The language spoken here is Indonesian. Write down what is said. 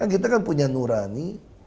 kita kan punya nurani